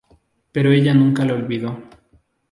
Pero ella nunca lo olvidó.